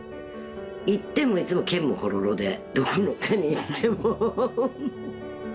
行ってもいつもけんもほろろでどこの課に行っても。